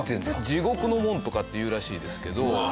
地獄の門とかっていうらしいですけど。